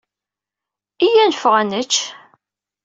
Iyya ad neffeɣ ad d-nečč.